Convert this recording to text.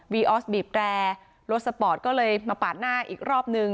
ออสบีบแรร์รถสปอร์ตก็เลยมาปาดหน้าอีกรอบนึง